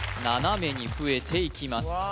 斜めに増えていきます